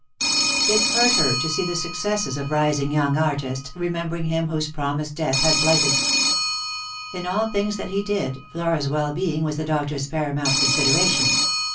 It hurt her to see the successes of rising young artists, remembering him whose promise death had blighted. In all things that he did, Flora's well being was the doctor's paramount consideration.